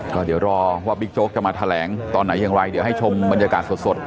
ก็เดี๋ยวรอว่าบิ๊กโจ๊กจะมาแถลงตอนไหนอย่างไรเดี๋ยวให้ชมบรรยากาศสด